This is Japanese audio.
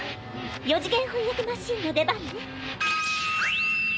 ４次元翻訳マシーンの出番ね。